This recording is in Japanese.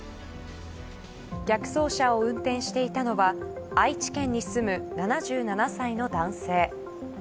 逆走車を運転していたのは愛知県に住む７７歳の男性。